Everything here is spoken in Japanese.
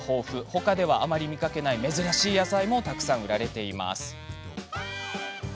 ほかではあまり見かけない珍しい野菜も売られています。